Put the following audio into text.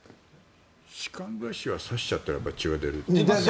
歯間ブラシは刺しちゃったらそれは血が出る。